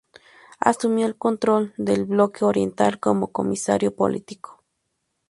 Asumió el control del Bloque Oriental como comisario político.